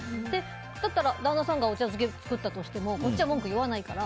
だったら、旦那さんがお茶漬け作ったとしてもこっちは文句言わないから。